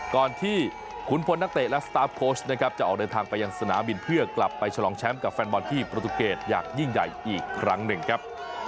ก่อนที่ขุนพลนักเตะและสตาร์ฟโค้ชนะครับจะออกเดินทางไปยังสนามบินเพื่อกลับไปฉลองแชมป์กับแฟนบอลที่ประตูเกตอย่างยิ่งใหญ่อีกครั้งหนึ่งครับ